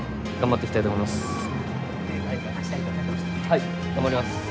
はい頑張ります。